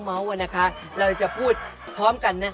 หนึ่งสองซ้ำยาดมนุษย์ป้า